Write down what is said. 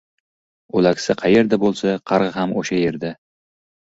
• O‘laksa qayerda bo‘lsa, qarg‘a ham o‘sha yerda.